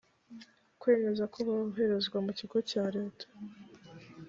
kwemeza ko boherezwa mu kigo cya leta